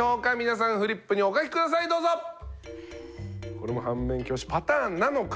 これも反面教師パターンなのか？